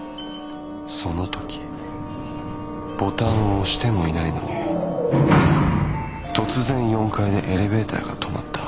その時ボタンを押してもいないのに突然４階でエレベーターが止まった。